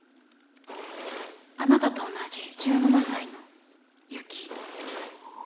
あなたと同じ１７才のユキ。